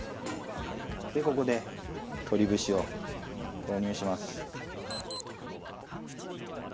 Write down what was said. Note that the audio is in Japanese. でここで鶏節を投入します。